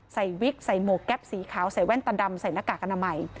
วิกใส่หมวกแก๊ปสีขาวใส่แว่นตาดำใส่หน้ากากอนามัย